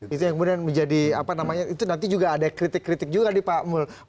itu yang kemudian menjadi apa namanya itu nanti juga ada kritik kritik juga nih pak mul